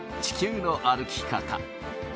『地球の歩き方』。